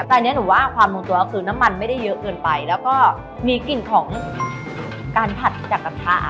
แต่อันนี้หนูว่าความลงตัวก็คือน้ำมันไม่ได้เยอะเกินไปแล้วก็มีกลิ่นของการผัดจากกระทะ